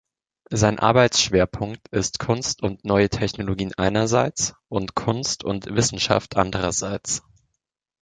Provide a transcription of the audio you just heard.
Sein Arbeitsschwerpunkt ist Kunst und neue Technologien einerseits und Kunst und Wissenschaft andererseits.